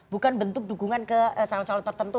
bukan bentuk dukungan ke calon calon tertentu